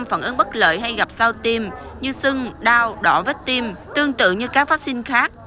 phản ứng bất lợi hay gặp sau tim như sưng đau đỏ vết tim tương tự như các vaccine khác